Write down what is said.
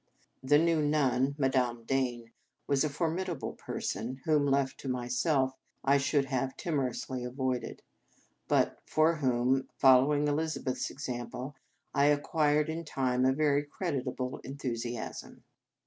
The new nun, Madame Dane, was a formidable person, whom, left to myself, I should have timor ously avoided; but for whom, follow ing Elizabeth s example, I acquired in time a very creditable enthusiasm.